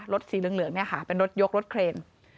รถสีเหลืองเป็นรถยกรถเครน